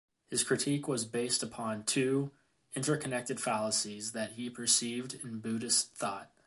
His critique was based upon two, interconnected fallacies that he perceived in Buddhist thought.